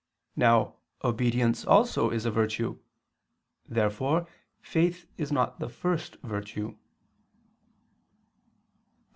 Now obedience also is a virtue. Therefore faith is not the first virtue. Obj.